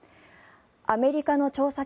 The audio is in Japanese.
アメリカの調査